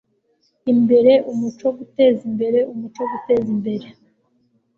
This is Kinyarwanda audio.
imbere umuco guteza imbere umuco guteza imbere